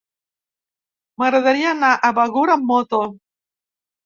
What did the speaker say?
M'agradaria anar a Begur amb moto.